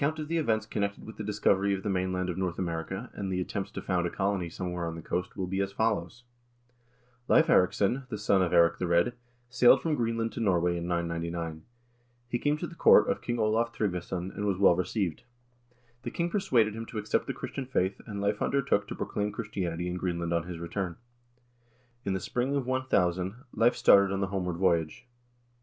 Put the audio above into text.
AMERICA DISCOVERED BY THE NORSEMEN 209 of the events connected with the discovery of the mainland of North America, and of the attempts to found a colony somewhere on the coast will be as follows :* Leiv Eiriksson, the son of Eirik the Red, sailed from Greenland to Norway in 999. He came to the court of King Olav Tryggvason, and was well received. The king persuaded him to accept the Chris tian faith, and Leiv undertook to proclaim Christianity in Greenland on his return. In the spring of 1000 Leiv started on the homeward voyage.